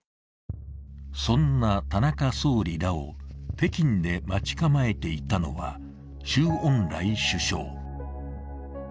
そんな田中総理らを北京で待ち構えていたのは周恩来首相。